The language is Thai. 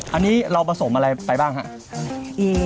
อันนี้เราผสมอะไรไปบ้างครับ